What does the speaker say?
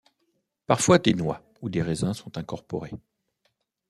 Parfois, des noix ou des raisins sont incorporés.